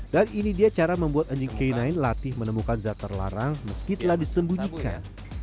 dan ini dia cara membuat anjing k sembilan latih menemukan zat terlarang meskipun telah disembunyikan